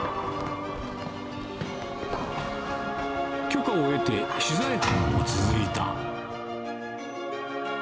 許可を得て、取材班が続いた。